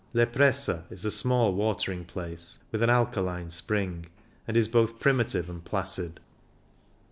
Le Prese is a small watering place, with an alkaline spring, and is both primitive and placid.